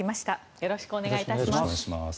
よろしくお願いします。